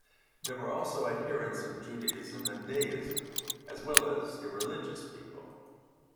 There were also adherents of Judaism and deism, as well as irreligious people.